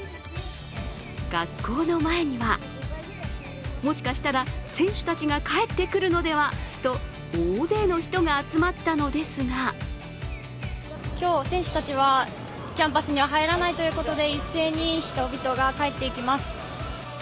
学校の前には、もしかしたら選手たちが帰ってくるのではと大勢の人が集まったのですが今日、選手たちはキャンパスには入らないということで一斉に人々が帰っていきます。